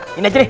ah ini aja deh